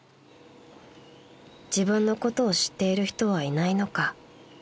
［自分のことを知っている人はいないのか］